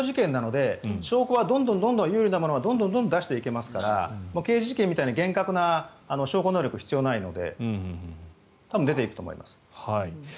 証拠はどんどん有利なものを出していけますから刑事事件みたいに厳格な証拠能力は必要ないので多分、出ていくと思います。